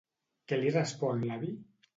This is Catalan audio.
Què li respon l'avi?